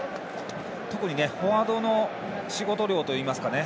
特にフォワードの仕事量といいますかね